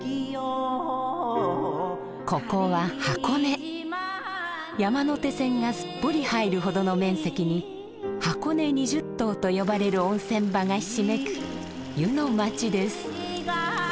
ここは山手線がすっぽり入るほどの面積に箱根二十湯と呼ばれる温泉場がひしめく湯の町です。